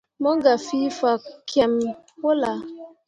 Mo gah fie fakyẽmme wullah.